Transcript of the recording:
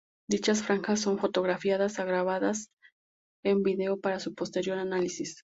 Dichas franjas son fotografiadas o grabadas en vídeo para su posterior análisis.